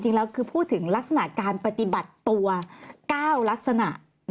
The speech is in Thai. จริงแล้วคือพูดถึงลักษณะการปฏิบัติตัว๙ลักษณะ